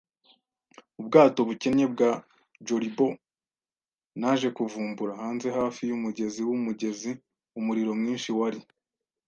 ubwato bukennye bwa jollybo, naje kuvumbura. Hanze, hafi y’umugezi w’umugezi, umuriro mwinshi wari